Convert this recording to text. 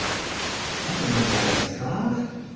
まだ何かあるんですか？